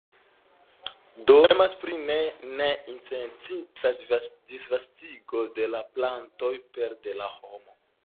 Do temas pri ne ne intencita disvastigo de plantoj pere de la homo.